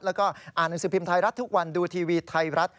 แล้วก็อ่านหนังสือพิมพ์ไทยรัฐทุกวันดูทีวีไทยรัฐ